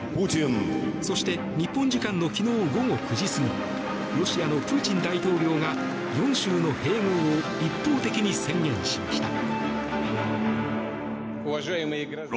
そして日本時間の昨日午後９時過ぎロシアのプーチン大統領が４州の併合を一方的に宣言しました。